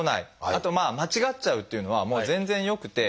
あと間違っちゃうっていうのはもう全然よくて。